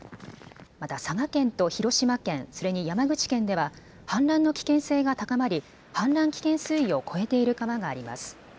また佐賀県と広島県、それに山口県では氾濫の危険性が高まり氾濫危険水位を超えている川があります。